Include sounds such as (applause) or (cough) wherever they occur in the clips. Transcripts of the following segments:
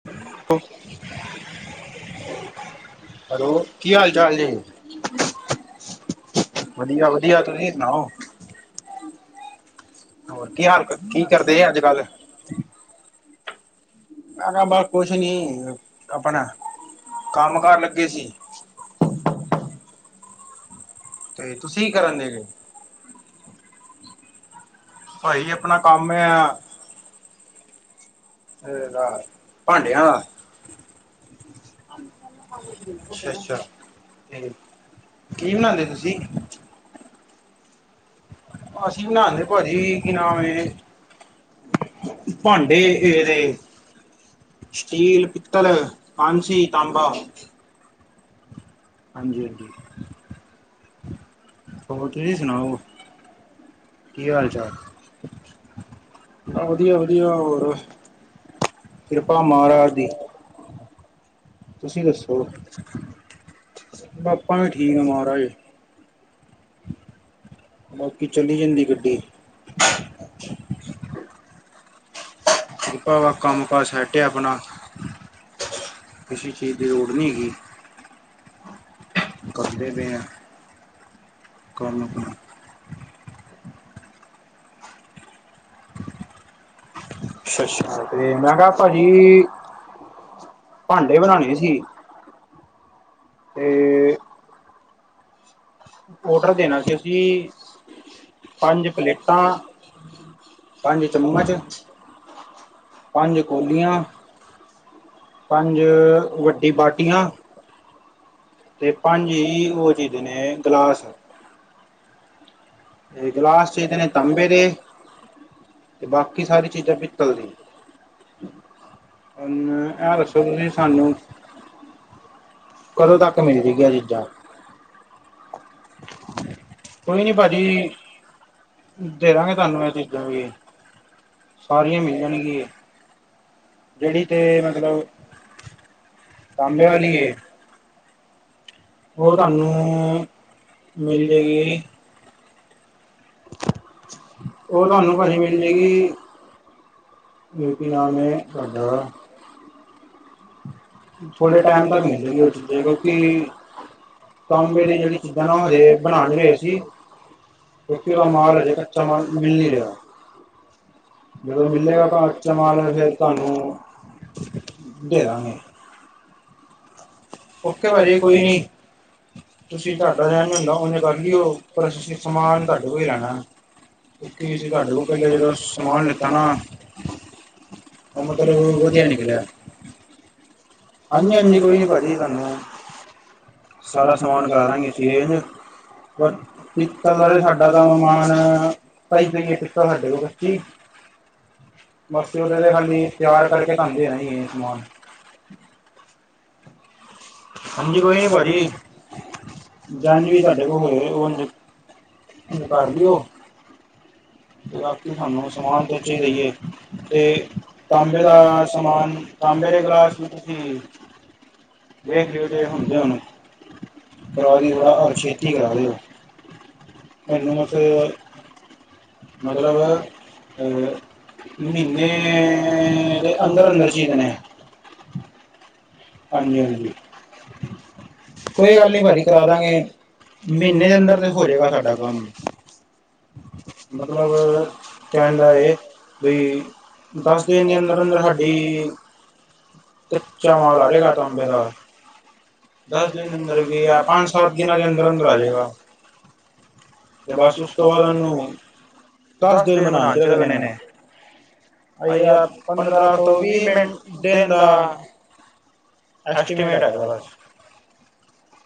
(unintelligible) Hello ਕੀ ਹਾਲ ਚਾਲ ਨੇ ਵਧੀਆ ਵਧੀਆ ਤੁਸੀ ਸੁਣਾਓ ਹੋਰ ਕੀ ਹਾਲ ਕੀ ਕਰਦੇ ਆ ਅੱਜ ਕੱਲ੍ਹ ਮੈਂ ਕਿਹਾ ਬਸ ਕੁਛ ਨੀ ਆਪਣਾ ਕੰਮ ਕਾਰ ਲੱਗੇ ਸੀ। ਤੇ ਤੁਸੀਂ ਕੀ ਕਰਨ ਦੇ ਜੇ ਭਾਜੀ ਆਪਣਾ ਕੰਮ ਹੈ। ਭਾਂਡਿਆਂ ਅੱ ਅੱਛਾ ਤੇ ਕੀ ਬਣਾਉਦੇ ਤੁਸੀਂ? ਅਸੀਂ ਬਣਾਂਦੇ ਭਾਜੀ ਕੀ ਨ ਇਹ ਭਾਂਡੇ ਇਹਦੇ। ਸਟੀਲ ਪਿੱਤਲ ਕਾਂਸੀ ਤਾਂਬਾ। ਹਾਂਜੀ ਹਾਂਜੀ ਹੋਰ ਤੁਸੀਂ ਸੁਣਾਓ ਕੀ ਹਾਲ ਚਾਲ ਵਧੀਆ ਵਧੀਆ ਹੋਰ ਕਿਰਪਾ ਮਹਾਰਾਜ ਦੀ। ਤੁਸੀਂ ਦੱਸੋ ਪਾਪਾ ਵੀ ਠੀਕ ਆ ਮਹਾਰਾਜ। ਬਾਕੀ ਚਲੀ ਜਾਂਦੀ ਗੱਡੀ। ਭਾਵਾਂ ਕੰਮ ਕਾਜ ਸੈਟਿਆ ਆਪਣਾ। ਕਿਸੇ ਚੀਜ਼ ਦੀ ਲੋੜ ਨਹੀਂ ਹੈਗੀ। ਦਦਲਲੇ ਲਣਾ ਹਮਖ (unintelligible) ਅੱਛਾ ਅੱਛਾ ਤੇ ਮੈਂ ਕਿਹਾ ਭਾਜੀ। ਭਾਂਡੇ ਬਣਾਉਣੇ ਸੀ ਤੇ ਔਡਰ ਦੇਣਾ ਸੀ ਅਸੀਂ। ਪੰਜ ਪਲੇਟਾਂ ਪੰਜ ਚਮਚ ਪੰਜ ਕੋਲੀਆਂ ਪੰਜ ਵੱਡੀ ਬਾਟੀਆਂ। ਅਤੇ ਪੰਜ ਉਹ ਚੀਦੇ ਨੇ ਗਲਾਸ ਇਹ ਗ ਲਾਸਟ ਦੇ ਨੇ ਤਾਂਬੇ ਦੇ ਤੇ ਬਾਕੀ ਸਾਰੀ ਚੀਜ਼ਾਂ ਪਿਤਲਦੀਆਂ। ਇਹ ਦੱਸੋ ਤੁਸੀਂ ਸਾਨੂੰ ਕਦੋਂ ਤੱਕ ਮਿਲ ਜਾਗੀਆਂ ਚੀਜ਼ਾਂ। ਕੋਈ ਨੀ ਭਾਜੀ ਦੇ ਦਾਂਗੇ ਤੁਹਾਨੂੰ ਇਹ ਚੀਜ਼ਾਂ ਵੀ। ਸਾਰੀਆਂ ਮਿਲ ਜਾਣਗੀਆ। ਜਿਹੜੀ ਕਿ ਮਤਲਬ ਤਾਂਬੇ ਵਾਲੀ ਉਹ ਤੁਹਾਨੂੰ ਮਿਲ ਜਾਏਗੀ। ਉਹ ਤੁਹਾਨੂੰ ਪਤਾ ਮਿਲ ਜਾਏਗੀ। ਯ ਕੀ ਨਾਮ ਇਹ ਤੁਹਾਡਾ ਵ ਥੋੜ੍ਹੇ ਟਾਈਮ ਤੱਕ ਮਿਲਦੇਗੀ ਉਹ ਚੀਜ਼ਾਂ ਕਿਉਂਕਿ ਤਾਂਬੇ ਦੀ ਜਿਹੜੀ ਚੀਜ਼ਾਂ ਨਾ ਹਜੇ ਬਣਾ ਨੀ ਰੇ ਹੋਏ ਸੀ। ਕਿਕੇਲਾ ਮਹਾਰਾਜਾ ਕੱਚਾ ਮ ਮਿਲ ਨਹੀਂ ਰਿਹਾ। (unintelligible) ਜਦੋਂ ਮਿਲੇਗਾ ਕਾਚਾ ਮਾਲ ਫੇਰ ਤੁਹਾਨੂੰ ਦੇ ਦਾਂਗੇ ਓਕੇ ਵਾ ਜ ਕੋਈ ਨੀ। ਤੁਸੀਂ ਤੁਹਾਡਾ ਜ ਨ ਹੁੰਦਾ ਓਨੇ ਕਰ ਲਿਓ ਪਰ ਤੁਸੀਂ ਸਮਾਨ ਤੁਹਾਡੇ ਕੋਲ ਹੀ ਲੈਣਾ ਹੈ। ਕੀ ਸੀ ਤੁਹਾਡੇ ਕੋਲ ਪਹਿਲੇ ਜਦੋਂ ਸਮਾਨ ਲਿੱਤਾ ਨਾ ਆ ਮਤਲ ਵਧੀਆ ਨਿਕਲੇ ਹਾਂਜੀ ਹਾਂਜੀ ਕੋਈ ਨੀ ਪਾਜੀ ਤੁਹਾਨੂੰ ਸਾਰਾ ਸਮਾਨ ਕਰਾ ਦਾਂਗੇ ਅ ਰ ਪਿੱਤਲ ਦਾ ਸਾਡਾ ਤਾਂ ਮਹਿਮਾਨ ਪਈ ਪਈ ਪਿੱਤਲ ਸਾਡੇ ਕੋਲ ਕੱਚੀ ਬਸ ਉਹਦੇ ਤੇ ਖਾਲੀ ਤਿਆਰ ਕਰਕੇ ਤਾਂਨੂ ਦੇ ਨਾ ਸਮਾਨ ਹਾਂਜੀ ਕੋਈ ਨੀ ਬਾਜੀ। ਜਡ ਵੀ ਤੁਹਾਡੇ ਕੋਲ ਹੋਏ ਉਹ ਅੰ ਅੰਜਕਾਰ ਦਿਓ। ਰਾਤੀ ਸਾਨੂੰ ਸਮਾਨ ਤੋਂ ਚੇ ਰਹੀਏ ਤੇ ਤਾਂਬੇ ਦਾ ਸਮਾਨ ਤਾਂਬੇ ਦੇ ਗਲਾਸ ਵੀ ਤੁਸੀਂ ਵੇਖ ਲ ਤੇ ਹੁੰਦੇ ਹੋਣ ਕਰਵਾ ਦੀ ਥੜਾ ਹਰ ਛੇਤੀ ਕਰਾ ਦਿ ਹੋ ਮੈਨੂੰ ਮਸ ਮਤਲਬ ਅ ਮਹੀਨੇ ਦੇ ਅੰਦਰ ਅੰਦਰ ਚੀ ਦੇਣੇ। ਹਾਂਜੀ ਹਾਂਜੀ ਕੋਈ ਗੱਲ ਨੀ ਵਾਡੀ ਕਰਾ ਦਾਂਗੇ। ਮਹੀਨੇ ਦੇ ਅੰਦਰ ਤੇ ਹੋਜਏਗਾ ਸਾਡਾ ਕੰਮ। ਮਤਲਬ ਕਹਿਣ ਦਾ ਬਈ ਦਸ ਦਿਨ ਦੇ ਅੰਦਰ ਅੰਦਰ ਸਾਡੀ ਕੱਚਾ ਮਾਲ ਆ ਰਿਹਾ। ਗਾ ਤਾਂਬੇ ਦਾ ਦਸ ਦਿਨ ਅੰਦਰ ਵੀ ਆ ਪੰਜ ਸੱਤ ਦਿਨਾਂ ਦੇ ਅੰਦਰ-ਅੰਦਰ ਆ ਜਾਏਗਾ। ਤੇ ਬਸ ਉਸ ਤੋਂ ਬਾਅਦ ਉਹਨੂੰ ਦਸ ਦਿਨ ਬਣਾਣ ਚ ਲਗਣੇ ਨੇ। ਆ ਯਾਰ ਪੰਦਰਾਂ ਸੌ ਵੀਹ ਮਿੰਟ ਦਿਨ ਦਾ ਐਸਟੀਮੇਟ ਹੈਗਾ। ਬਸ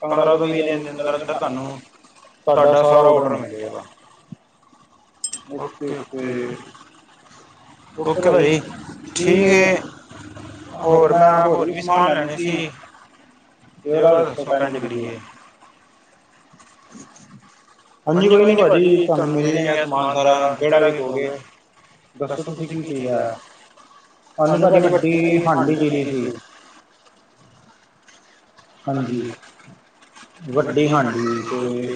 ਪੰਦਰਾਂ ਤੋਂ ਵੀਹ ਦਿਨ ਦੇ ਅੰਦਰ-ਅੰਦਰ ਤੁਹਾਨੂੰ ਤੁਹਾਡਾ ਸਾਰਾ ਔਡਰ ਮਿਲ ਜੇਗਾ। ਓਕੇ-ਓਕੇ। ਓਕੇ ਭਾਜੀ ਠੀਕ ਹੈ। ਹੋਰ ਮੈਂ ਹੋਰ ਵੀ ਸਮਾਨ ਲੈਣਾ। ਤੇ ਉਹਦਾ ਦੱਸੋ ਕਰੀਏ? (unintelligible) ਹਾਂਜੀ ਕੋਈ ਨੀ ਭਾਜੀ ਤੁਹਾਨੂੰ ਮਿਲ ਜੇਗਾ, ਸਮਾਨ ਸਾਰਾ ਜਿਹੜਾ ਵੀ ਕਹੋਗੇ। ਦੱਸੋ ਤੁਸੀਂ ਕੀ ਚਾਹੀਦਾ? ਸਾਨੂੰ ਭਾਜੀ ਵੱਡੀ ਹਾਂਡੀ ਚਾਹੀਦੀ ਸੀ। ਹਾਂਜੀ, ਵੱਡੀ ਹਾਂਡੀ ਤੇ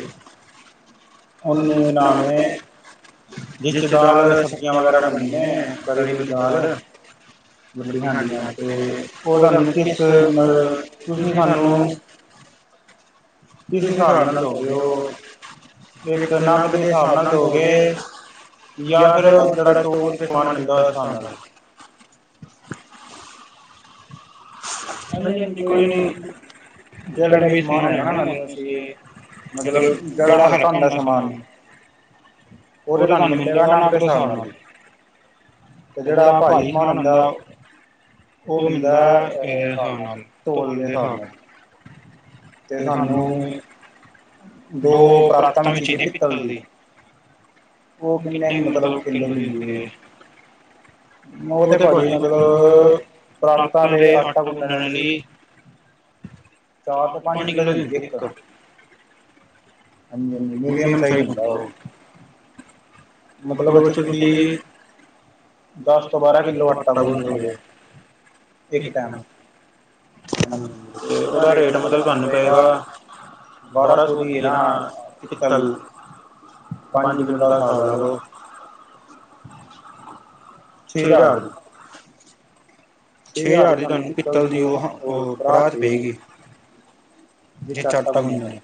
ਉਹਨੂੰ ਨਾ ਮੈ ਜਿਸ ਚ ਦਾਲ ਸਬਜ਼ੀਆਂ ਵਗੈਰਾ ਬਣਦੀਆਂ ਨੇ, ਤਰੀ ਵਾਲੀ ਦਾਲ ਵੱਡੀ ਹਾਂਡੀ ਹਾ, ਤੇ ਉਹ ਤੁਆਨੂੰ ਕਿਸ ਮਤਲ ਤੁਸੀਂ ਸਾਨੂੰ ਕਿਸ ਹਿਸਾਬ ਨਾਲ ਦਉਗੇ, ਉਹ ਇੱਕ ਨਗ ਦੇ ਹਿਸਾਬ ਨਾਲ ਦਉਗੇ। ਜਾਂ ਫਿਰ ਜਿਹੜਾ (inaudible) ਮਿਲਦਾ। ਉਸ ਹਿਸਾਬ ਨਾਲ ਹਾਂਜੀ-ਹਾਂਜੀ ਕੋਈ ਨੀ ਜਿਹੜਾ ਵੀ ਸਮਾਨ ਹੈਗਾ, ਨਾ ਮੈਨੂੰ ਸੀ ਮਤਲਬ ਜਿਹੜਾ ਹਲਕਾ ਹੁੰਦਾ ਸਮਾਨ ਉਹ ਤੇ ਤਹਾਨੂੰ ਮਿਲੇਗਾ। ਨਗ ਦੇ ਸਾਬ ਨਾਲ ਤੇ ਜਿਹੜਾ ਭਾਰੀ ਸਮਾਨ ਹੁੰਦਾ। ਉਹ ਮਿਲਦਾ ਅ ਤੋਲ ਦੇ ਸਾਬ ਨਾਲ ਤੇ ਸਾਨੂੰ ਦੋ ਪਰਾਤਾਂ ਵੀ ਚਾਈਦੀਆ ਪਿੱਤਲ ਦੀ ਉਹ ਕਿੰਨੇ ਮਤਲਬ ਕਿਲੋ ਦੀ ਹੁੰਦੀ ਹੈ। ਉਹ ਤੇ ਭਾਜੀ ਮਤਲਬ ਪਰਾਤਾਂ ਤੇ ਆਟਾ ਗੁੰਨਣ ਲਈ ਚਾਰ ਤੋਂ ਪਾਣੀ ਕਿੱਲੋ ਦੀ ਹੁੰਦੀ। ਇੱਕ ਹਾਂਜੀ-ਹਾਂਜੀ ਮੀਡੀਅਮ ਸਾਈਜ਼ ਹੁੰਦਾ। ਉਹ ਮਤਲਬ ਐਥੇ ਤੁਸੀਂ ਦਸ ਤੋਂ ਬਾਰਾਂ ਕਿੱਲੋ ਆੱਟਾ ਗੁੰਨ ਦਿਉਗੇ। ਇੱਕ ਟਾਈਮ ਹਾਂ ਤੇ ਉਹਦਾ ਰੇਟ ਮਤਲਬ ਤੁਆਨੂੰ ਪਏਗਾ। ਬਾਰਾਂ ਸੌ ਦੀ ਐ, ਨਾ ਪਿੱਤਲ ਪੰਜ ਕਿਲੋ ਸਾਬ ਲਾਲੋ ਛੇ ਹਜਾ਼ਰ ਦੀ ਛੇ ਹਜ਼ਾਰ ਦੀ ਤੁਹਾਨੂੰ ਪਿੱਤਲ ਦੀ ਉਹ ਪਰਾਤ ਪਏਗੀ। ਜੀ ਚਟਗ। (inaudible)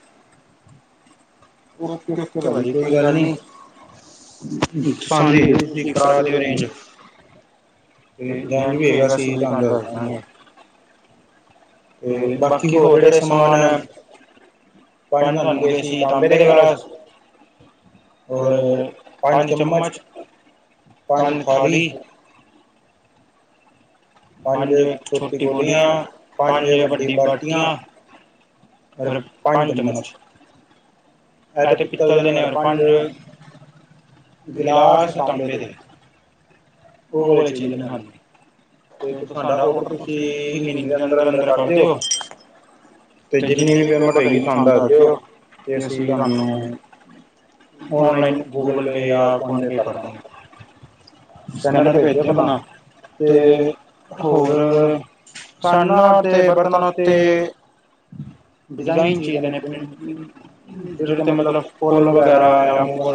ਓਕੇ-ਓਕੇ, ਭਾਜੀ ਕੋਈ ਗੱਲ ਨੀ। ਸਾਡੇ ਹਿੰਸਕਰਾ ਕਰਾ ਰਹੇ ਨੇ। ਤੇ ਦੰੰਦ ਵੀ ਹੈਗਾ ਸੀ, ਤੁਹਾਨੂੰ ਦੱਸ ਦਵਾਗੇ। ਤੇ ਬਾਕੀ ਹੋਰ ਜਿਹੜੇ ਸਮਾਨ ਹੈ। ਪੰਜ ਸਾਨੂੰ ਗਏ ਸੀ। ਤਾਂਬੇ ਦੇ ਗਿਲਾਸ। ਹੋਰ ਪੰਜ ਚਮਚ, ਪੰਜ ਥਾਲੀ ਪੰਜ ਛੋਟੀ ਕੌਲੀਆਂ, ਪੰਜ ਵੱਡੀ ਬਾਟੀਆਂ। ਔਰ ਪੰਜ ਚਮਚ। ਐ ਤੇ ਪਿੱਤਲ ਦੇ ਨੇ ਔਰ ਪੰਜ ਗਿਲਾਸ ਤਾਂਬੇ ਦੇ ਓ ਵਾਲੇ ਚਾਹੀਦੇ ਨੇ, ਹਾਂਜੀ ਤੇ ਸਾਡਾ ਔਡਰ ਤੁਸੀਂ ਇਹੀ ਮਹੀਨੇ ਦੇ ਅੰਦਰ-ਅੰਦਰ ਕਰ ਦਿਉ। ਤੇ ਜਿੰਨੀ ਵੀ ਪੇਮੈਂਟ ਹੋਏਗੀ। ਸਾਨੂੰ ਦੱਸ ਦਿਓ, ਤੇ ਅਸੀਂ ਤੁਹਾਨੂੰ ਔਨਲਾਈਨ ਗੂਗਲ ਪੇ ਜਾਂ ਫੋਨ ਪੇ ਕਰਦਾਂਗੇ। ਸਕੈਨੜ ਭੇਜ ਦੋ ਆਪਣਾ, ਤੇ ਹੋਰ ਸਾਂਨਾ ਤੇ ਬਰਤਨਾਂ ਉੱਤੇ ਡਿਜ਼ਾਇਨ ਚਾਈਦੇ ਨੇ, ਜਿਹੜੇ ਤੇ ਮਤਲਬ ਫੁੱਲ ਵਗੈਰਾ ਯਾਂ ਮੋਰ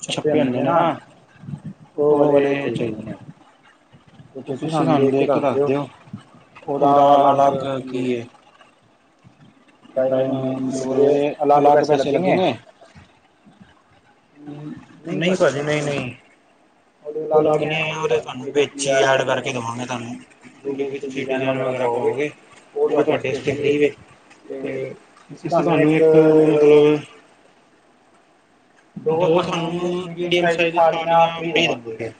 ਛੱਪੇ ਹੁੰਦੇ ਨੇ ਨਾ ਉਹ ਵਾਲੇ ਚ‌ਈ ਦੇ ਨੇ। ਤੇ ਤੁਸੀਂ ਸਾਨੂੰ ਦੇਖ ਕੇ ਦੱਸ ਦਿਓ, ਉਹਦਾ ਅਲੱਗ ਕੀ ਏ? ਮਤਲਬ, ਉਹਦੇ ਅਲੱਗ ਪੈਸੇ ਲੱਗੇ ਗੇ। ਨ‌ਈਂ, ਭਾਜ਼ੀ ਨ‌ਈਂ-ਨ‌ਈਂ। ਗਲ ਨੀ, ਉਹ ਤੇ ਤੁਹਾਨੂੰ ਵਿਚ ਈ ਐਡ ਕਰਕੇ ਦੇਵਾਂਗੇ ਤੁਹਾਨੂੰ। ਤੁਸੀਂ ਡਿਜੈਣ ਵਗੈਰਾ ਪਾਓਗੇ, ਉਹ ਤੁਹਾਡੇ ਫਰੀ ਵਿਚ ਤੇ ਅਸੀਂ ਤਾਨ੍ਹੂੰ ਇੱਕ ਮਤਲਬ ਦੋ ਤੁਹਾਨੂੰ ਮੀਡੀਅਮ ਸਾਈਜ ਥਾਂਲੀਆਂਂ ਦੇ ਦਵਾਂਗੇ।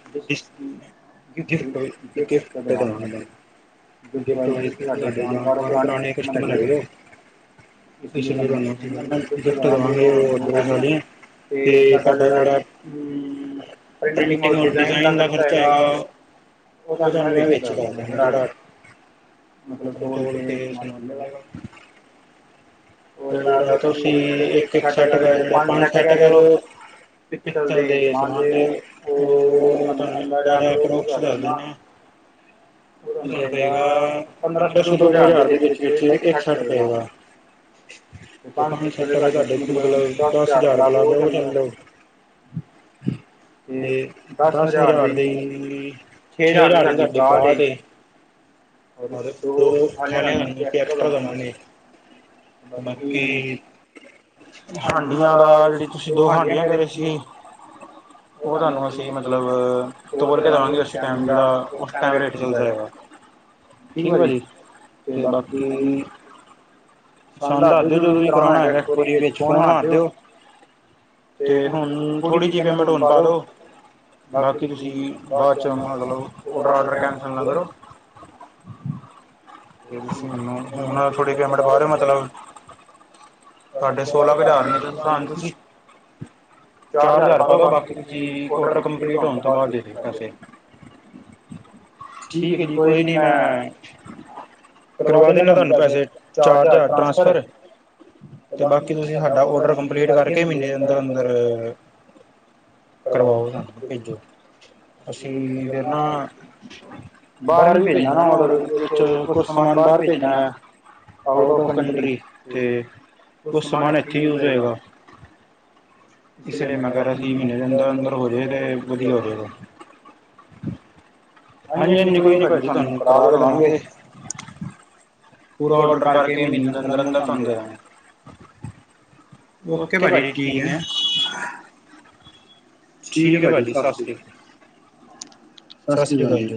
ਗਿਫਟ, ਗਿਫਟ ਤਾਂ ਦਵਾਂਗੇ ਤੁਸੀਂ ਸਾਡੇ ਜਾਣਕਾਰ ਓ ਪੁਰਾਣੇ ਕਸਟਮਰ ਹੈਗੇ ਓ। ਇਸ ਲਈ ਤਾਨ੍ਹੂੰ ਨਾਲ ਗਿਫਟ ਦਵਾਂਗੇ ਉਹ ਦੋ ਥਾਂਲੀਆਂ, ਤੇ ਤੇ ਸਾਡਾ ਜਿਹੜਾ ਹਮ, ਪ੍ਰਿੰਟਿੰਗ ਔਰ ਡਿਜਾਇਨ ਦਾ ਖਰਚਾ ਹੈਗਾ ਉਹ ਤੁਹਾਨੂੰ ਮੈਂ ਵਿੱਚ ਈ ਕਰਦਾ ਗਾ ਜਿਹੜਾ, ਮਤਲਬ ਤੋਲ ਕੇ ਸਮਾਨ ਮਿਲੇਗਾ। ਤੇ ਜਿਹੜਾ ਤੁਸੀਂ, ਇਕ-ਇਕ ਸੈਟ ਕਹਿ ਰੇ ਓ, ਜਿਹੜੇ ਪੰਜ ਸੈਟ ਕਹਿ ਰੇ ਓ। ਪਿੱਤਲ ਦੇ ਸਮਾਨ ਨੂੰ, ਓ ਤੁਹਾਨੂੰ ਉਨਾਂ ਦਾ ਪਰੋਕਸ ਦੱਸ ਦਿੰਨਾ। ਉਹ ਤੁਹਾਨੂੰ ਪਏਗਾ, ਪੰਦਰਾਂ ਸੋ ਤੋਂ ਦੋ ਹਜ਼ਾਰ ਦੇ ਵਿੱਚ-ਵਿਚ, ਇੱਕ ਸੈਟ ਪਏਗਾ। ਤੇ ਪੰਜ ਛੇ ਸੋ ਦੇ ਤੁਹਾਡੇ ਮਤਲਬ, ਦਸ ਹਜ਼ਾਰ ਗੁਲਾਬ ਦੇ ਉਹ ਚੱਲ ਲਓ। (inaudible) ਤੇ ਦਸ ਹਜ਼ਾਰ ਦੇ ਈ, ਛੇ ਹਜ਼ਾਰ ਦੀ ਤ੍ਹ‌ਾਡੀ ਪਰਾਤ ਏ ਔਰ ਦੋ ਥਾਂਲੀਆਂ ਹਨ ਤੇ ਐਕਸਟਰਾ ਦਵਾਂਗੇ। ਬਾਕੀ ਹਾਂਡੀਆਂ ਦਾ, ਜਿਹੜੀ ਤੁਸੀਂ ਦੋ ਹਾਂਡੀਆਂ ਕਹਿ ਰ‌ਏ ਸੀ ਜੀ। (inaudible) ਉਹ ਤੁਹਾਨੂੰ ਅਸੀਂ ਮਤਲਬ, ਤੋਲ ਕੇ ਦਵਾਂਗੇ ਉਸ ਟੈਮ ਜਿਹੜਾ, ਉਸ ਟੈਮ ਰੇਟ ਚਲਦਾ ਹੋਏਗਾ। ਠੀਕ, ਭਾਜ਼ੀ ਤੇ ਬਾਕੀ ਸਾਨੂੰ ਦੱਸ ਦਿਓ ਜੋ-ਜੋ ਵੀ ਕਰਾਉਣਾ ਹੈਗਾ, ਉਹਦੇ ਵਿਚ, ਫੋਨ ਮਾਰ ਦਿਓ। ਤੇ ਹੁਣ, ਥੋੜ੍ਹੀ ਜੀ ਪੇਮੈਂਟ ਹੁਣ ਪਾ ਦੋ ਬਾਕੀ ਤੁਸੀਂ ਬਾਅਦ ਚ ਆਉਣਾ ਮਤਲਬ, (unintelligible) (inaudible) (unintelligible) ਸਾਡੇ ਸੋਲਾਂ ਕ ਹਜ਼ਾਰ ਦੀ। (unintelligible) ਚਾਰ ਹਜ਼ਾਰ ਪਾ ਦੋ ਬਾਕੀ, ਤੁਸੀਂ ਔਡਰ ਕੰਪਲੀਟ ਹੋਣ ਤੋਂ ਬਾਅਦ ਦੇ ਦਿਓ ਪੈਸੇ। ਠੀਕ ਏ ਜੀ, ਕੋਈ ਨੀ ਮੈਂ ਮੈਂ, ਕਰਵਾ ਦਿੰਨਾ ਤੁਹਾਨੂੰ ਪੈਸੇ, ਚਾਰ ਜ਼ਾਰ ਟ੍ਰਾਂਸਫਰ ਤੇ ਬਾਕੀ ਤੁਸੀਂ ਸਾਡਾ ਓਡਰ ਕੰਪਲੀਟ ਕਰਕੇ ਮਹੀਨੇ ਦੇ ਅੰਦਰ-ਅੰਦਰ ਕੜਵਾਓ ਸਾਨੂੰ ਭੇਜੋ, ਅਸੀਂ ਫਿਰ ਨਾ ਬਾਰਵੀਂ ਫੇਲ ਇਹ ਔਡਰ ਵਿੱਚ ਕੁਛ ਸਮਾਨ ਬਾਹਰ ਭੇਜਣਾ। ਆਊਟ ਆਫ ਕੰਟਰੀ ਤੇ ਕੁਛ ਸਮਾਨ ਇੱਥੇ ਯੂਜ ਹੋਏਗਾ। ਇਸ ਲਈ ਮੈਂ ਕਹਿ ਰਿਹਾ ਸੀ, ਮਹੀਨੇ ਦੇ ਅੰਦਰ -ਅੰਦਰ ਹੋ ਜੇ ਤੇ ਵਧੀਆ ਹੋਜੇਗਾ। ਹਾਂਜੀ-ਹਾਂਜੀ ਕੋਈ ਨੀ ਭਾਜੀ ਤੁਹਾਨੂੰ ਕਰਾ ਕੇ ਦਵਾਂਗੇ। ਪੂਰਾ ਔਡਰ ਕਰਕੇ ਮਹੀਨੇ ਦੇ ਅੰਦਰ-ਅੰਦਰ ਤ੍ਹ‌ਾਨੂੰ ਦੇਦਾਂਗੇ। ਓਕੇ, ਭਾਜੀ ਠੀਕ ਐ। ਠੀਕ ਹੈ ਭਾਜੀ, ਸਾਸਰੀ ਕਾਲ, ਸਾਸਰੀ ਕਾਲ ਜੀ।